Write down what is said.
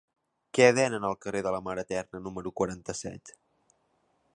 Què venen al carrer de la Mare Eterna número quaranta-set?